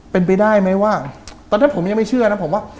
เป็นไปได้ไหมว่าตอนนั้นผมยังไม่เชื่อนะผมว่า